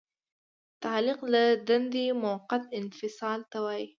تعلیق له دندې موقت انفصال ته وایي.